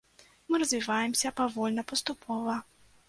Мы развіваемся павольна, паступова.